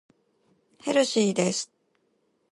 ヘルシーです。